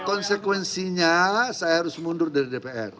konsekuensinya saya harus mundur dari dpr